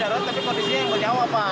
ya darurat tapi kondisinya yang bernyawa pak